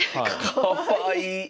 かわいい！